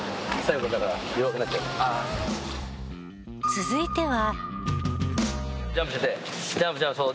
続いては。